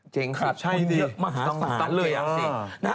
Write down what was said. เจ้งขาดใช่เลยอะ